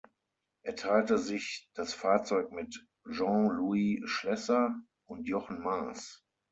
Er teilte sich das Fahrzeug mit Jean-Louis Schlesser und Jochen Mass.